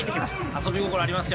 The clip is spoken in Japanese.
遊び心ありますよ。